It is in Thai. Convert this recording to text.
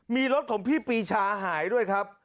มีรถของพี่ปีชาหายด้วยครับ